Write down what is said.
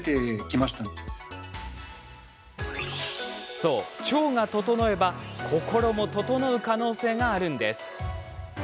そう、腸が整えば心も整う可能性があるんです。